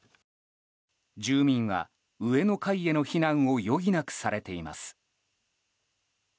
住民は上の階への避難を余儀なくされています。